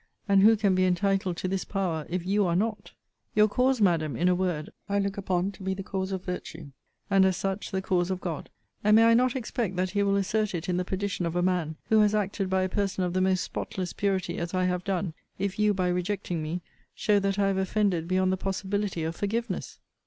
And who can be entitled to this power, if YOU are not? Your cause, Madam, in a word, I look upon to be the cause of virtue, and, as such, the cause of God. And may I not expect that He will assert it in the perdition of a man, who has acted by a person of the most spotless purity as I have done, if you, by rejecting me, show that I have offended beyond the possibility of forgiveness.